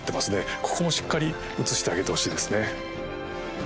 ここもしっかり写してあげてほしいですね。